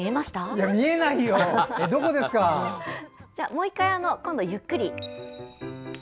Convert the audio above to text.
もう１回、今度はゆっくり。